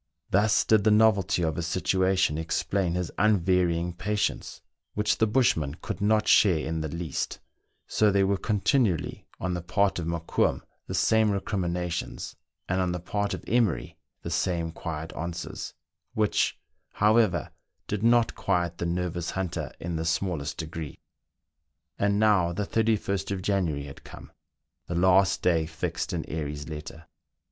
Thus did the novelty of his situation explain his unvarying patience, which the bushman could not share in the least ; so there were continually on the part of Mokoum the same recriminations, and on the part of Emery the same quiet answers, which, however, did not quiet the nervous hunter in the smallest degree. And now the 31st of January had come, the last day fixed in Airy's letter.